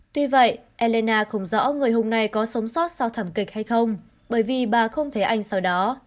tuy vậy elena không rõ người hùng này có sống sót sau thảm kịch hay không bởi vì bà không thấy anh sau đó